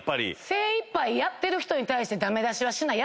精いっぱいやってる人に対して駄目出しはしない。